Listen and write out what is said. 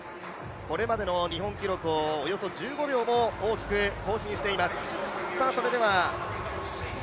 これまでの日本記録をおよそ１５秒も大きく更新しています。